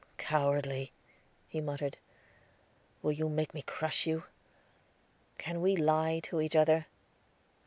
"Cowardly," he muttered, "will you make me crush you? Can we lie to each other?